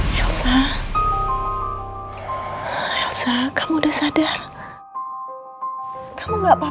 kita juga akan bekerja berkerja sama nino keliling